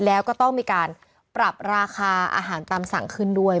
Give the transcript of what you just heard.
แล้วก็ต้องมีการปรับราคาอาหารตามสั่งขึ้นด้วย